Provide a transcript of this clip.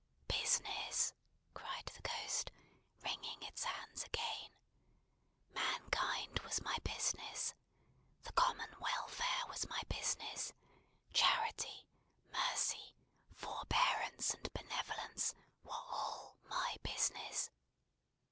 "Business!" cried the Ghost, wringing its hands again. "Mankind was my business. The common welfare was my business; charity, mercy, forbearance, and benevolence, were, all, my business.